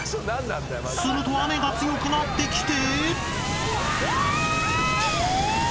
［すると雨が強くなってきて］